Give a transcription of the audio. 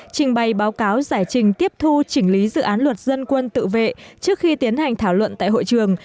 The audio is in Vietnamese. trình bày báo cáo giải trình tiếp thu chỉnh lý dự án luật dân quân tự vệ trước khi tiến hành thảo luận tại hội trường